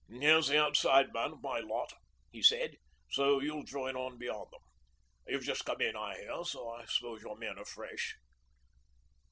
'Here's the outside man of my lot,' he said, 'so you'll join on beyond him. You've just come in, I hear, so I suppose your men are fresh?'